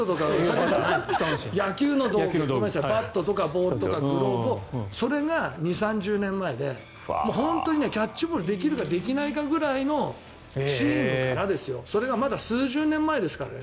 バットとかボールとかグローブをそれが２０３０年前で本当にキャッチボールをできるかできないかくらいのチームからそれがまだ数十年前ですからね。